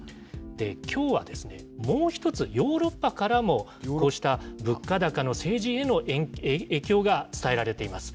きょうは、もう１つ、ヨーロッパからもこうした物価高の政治への影響が伝えられています。